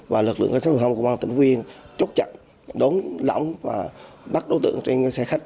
và lực lượng cảnh sát hình sự công an tỉnh phú yên chốt chặt đón lõng và bắt đối tượng trên xe khách